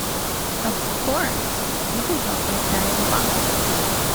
Of course, you can help them carry the boxes.